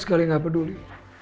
saya tidak peduli